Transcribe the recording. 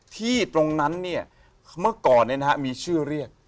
ที่ตรงนั้นเนี่ยเมื่อก่อนเนี่ยนะฮะมีชื่อเรียก